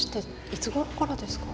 いつごろからですか？